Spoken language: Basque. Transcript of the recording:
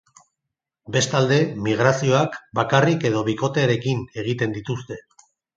Bestalde, migrazioak bakarrik edo bikotearekin egiten dituzte.